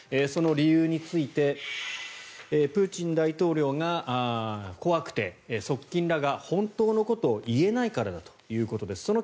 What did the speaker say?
その理由についてプーチン大統領が怖くて側近らが本当のことを言えないからだということです。